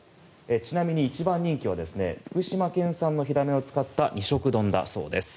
ちなみに一番人気は福島県産のヒラメを使った２色丼だそうです。